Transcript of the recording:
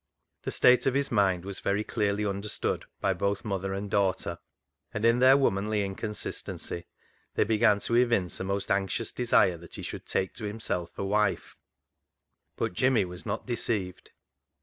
The state of his mind was very clearly understood by both mother and daughter, and in their womanly inconsistency they began to evince a most anxious desire that he should take to himself a wife. But Jimmy was not deceived.